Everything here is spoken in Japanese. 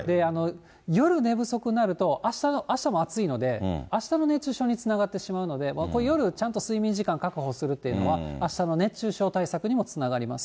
夜、寝不足になると、あしたも暑いので、あしたの熱中症につながってしまうので、夜、ちゃんと睡眠時間確保するっていうのは、あしたの熱中症対策にもつながります。